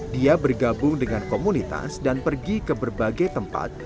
dia bergabung dengan komunitas dan pergi ke berbagai tempat